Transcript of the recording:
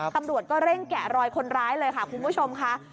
ตำรวจก็เร่งแกะรอยคนร้ายเลยค่ะคุณผู้ชมค่ะ